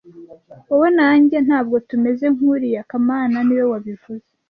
Wowe na njye ntabwo tumeze nkuriya kamana niwe wabivuze